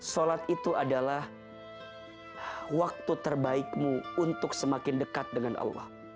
sholat itu adalah waktu terbaikmu untuk semakin dekat dengan allah